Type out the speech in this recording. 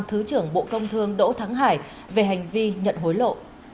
thứ trưởng bộ công thương đỗ thắng hải về hành vi nhận hối lộ